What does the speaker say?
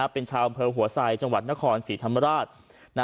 เป็นชาวอำเภอหัวไซดจังหวัดนครศรีธรรมราช